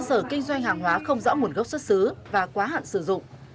các sở kinh doanh hàng hóa không rõ nguồn gốc xuất xứ và quá hạn sử dụng